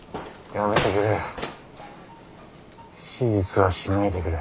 やめてくれ！